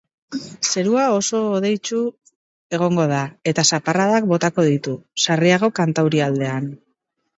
Zerua oso hodeitsu egongo da, eta zaparradak botako ditu, sarriago kantaurialdean.